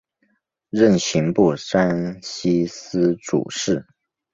任刑部山西司主事。